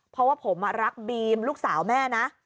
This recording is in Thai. เพราะว่าผมรักบีมลูกสาวแม่นะ